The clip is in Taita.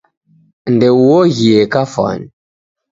Ndeuoghie kafwani